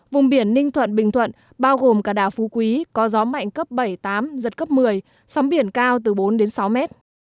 vùng biển ninh thuận bình thuận bao gồm cả đảo phú quý có gió mạnh cấp bảy tám giật cấp một mươi sóng biển cao từ bốn đến sáu mét